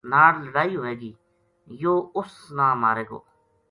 ناڑ لڑائی ہوے گی یوہ اُس نا مارے گو